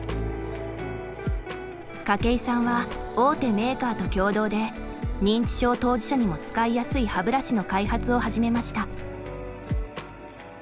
筧さんは大手メーカーと共同で認知症当事者にも使いやすい歯ブラシの開発を始めました。